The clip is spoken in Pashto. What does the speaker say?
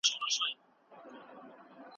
ژوند یو تریخ حقیقت دی.